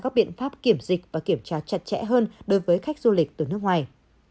các biện pháp kiểm dịch và kiểm tra chặt chẽ hơn đối với khách du lịch từ nước ngoài